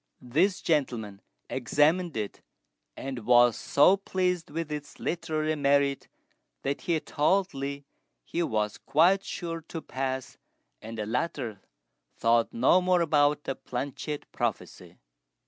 This gentleman examined it, and was so pleased with its literary merit that he told Li he was quite sure to pass, and the latter thought no more about the planchette prophecy.